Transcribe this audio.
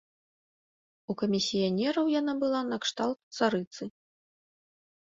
У камісіянераў яна была накшталт царыцы.